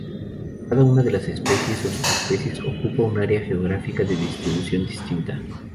Cada una de las especies o subespecies ocupa un área geográfica de distribución distinta.